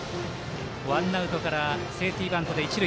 ワンアウトからセーフティーバントから一塁。